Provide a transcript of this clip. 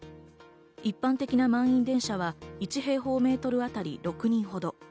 一般的な満員電車は１平方メートルあたり６人ほど。